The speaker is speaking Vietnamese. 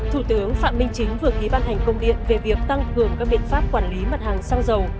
thủ tướng phạm minh chính vừa ký ban hành công điện về việc tăng cường các biện pháp quản lý mặt hàng xăng dầu